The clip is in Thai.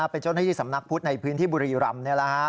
เป็นเจ้าหน้าที่สำนักพุทธในพื้นที่บุรีรำ